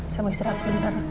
saya mau istirahat sebentar